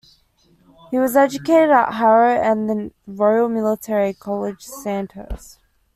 He was educated at Harrow and the Royal Military College, Sandhurst.